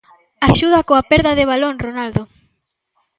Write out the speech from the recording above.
Axuda coa perda de balón Ronaldo.